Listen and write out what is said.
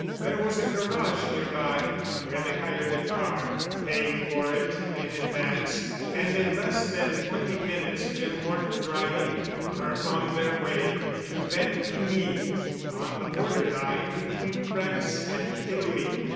There was a garage nearby, where they hired a car, paying for it in advance, and in less than twenty minutes, Jim Horton driving, were on their way to Vingtimille, on the border line between France and Italy.